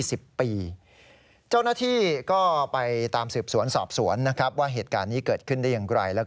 เจ้าหน้าที่ก็ไปตามสืบสวนสอบสวนนะครับว่าเหตุการณ์นี้เกิดขึ้นได้อย่างไรแล้วก็